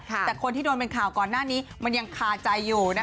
แต่คนที่โดนเป็นข่าวก่อนหน้านี้มันยังคาใจอยู่